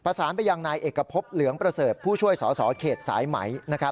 สารไปยังนายเอกพบเหลืองประเสริฐผู้ช่วยสอสอเขตสายไหม